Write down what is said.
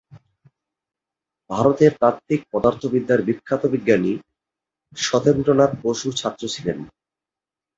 ভারতের তাত্ত্বিক পদার্থবিদ্যার বিখ্যাত বিজ্ঞানী সত্যেন্দ্রনাথ বসুর ছাত্র ছিলেন।